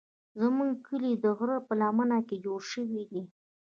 زموږ کلی د غره په لمنه کې جوړ شوی دی.